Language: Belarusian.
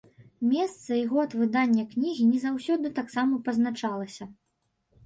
Месца і год выдання кнігі не заўсёды таксама пазначалася.